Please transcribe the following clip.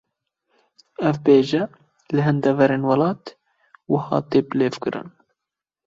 Ev bêje, li hin deverên welat wiha tê bilêvkirin